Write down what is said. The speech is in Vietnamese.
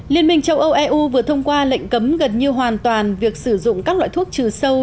liên minh châu âu eu vừa thông qua lệnh cấm gần như hoàn toàn việc sử dụng các loại thuốc trừ sâu